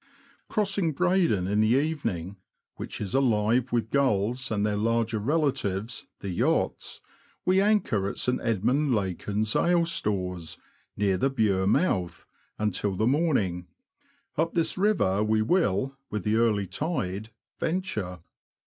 Crossing Breydon in the evening, which is alive with gulls and their larger relatives, the yachts, we anchor at Sir Edmund Lacon's Ale Stores, near the Bure mouth, until the morning ; up this river we will, with the early tide, venture.